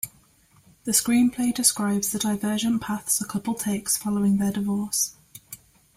The screenplay describes the divergent paths a couple takes following their divorce.